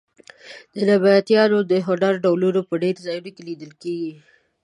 د نبطیانو د هنر ډولونه په ډېرو ځایونو کې لیدل کېږي.